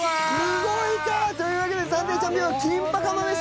動いた。というわけで暫定チャンピオンはキンパ釜飯でーす。